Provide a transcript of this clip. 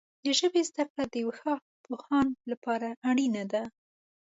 د ژبې زده کړه د یو ښه پوهاند لپاره اړینه ده.